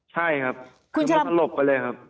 ใช่ครับคือมันสลบไปเลยครับ